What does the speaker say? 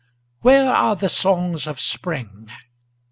3. Where are the songs of Spring?